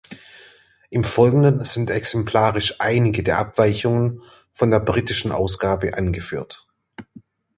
Im Folgenden sind exemplarisch einige der Abweichungen von der britischen Ausgabe angeführt.